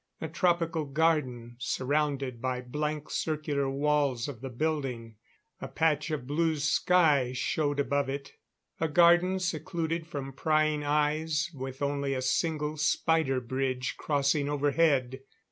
A tropical garden, surrounded by blank circular walls of the building. A patch of blue sky showed above it. A garden secluded from prying eyes, with only a single spider bridge crossing overhead.